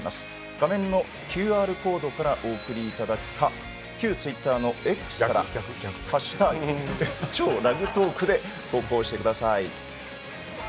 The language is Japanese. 画面のＱＲコードからお送りいただくかそして旧ツイッターのＸから「＃超ラグトーク」で投稿してください。